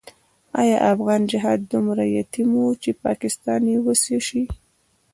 آیا افغان جهاد دومره یتیم وو چې پاکستان یې وصي شي؟